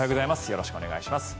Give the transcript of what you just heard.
よろしくお願いします。